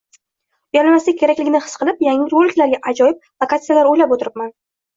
Uyalmaslik kerakligini his qilib yangi roliklarga ajoyib lokatsiyalar oʻylab oʻtiribman.